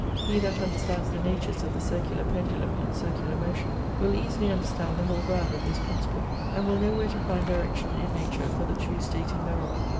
He that understands the natures of the circular pendulum and circular motion, will easily understand the whole ground of this principle, and will know where to find direction in nature for the true stating thereof.